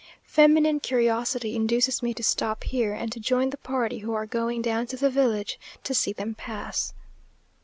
Feminine curiosity induces me to stop here, and to join the party who are going down to the village to see them pass....